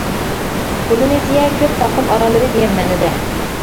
پولىنېزىيە : «كۆپ تاقىم ئاراللىرى» دېگەن مەنىدە.